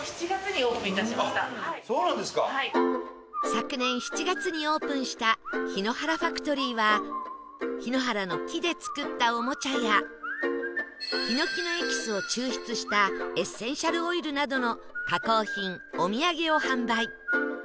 昨年７月にオープンしたひのはらファクトリーは檜原の木で作ったおもちゃやヒノキのエキスを抽出したエッセンシャルオイルなどの加工品お土産を販売